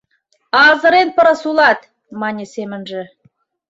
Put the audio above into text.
— Азырен пырыс улат, — мане семынже.